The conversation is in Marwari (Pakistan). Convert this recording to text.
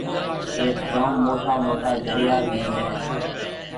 ايٿ جوم موٽا موٽا دريا ڀِي هيَ۔